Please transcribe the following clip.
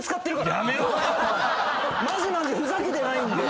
マジ卍ふざけてないんで。